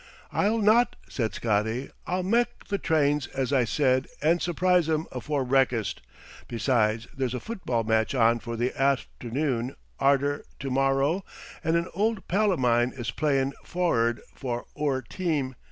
"I'll not," said Scotty. "I'll mak' the trains as I said an' surprise 'em afore brekkist. Besides, there's a football match on for the arternoon arter to morrer, and an old pal o' mine is playin' for'ard for oor team.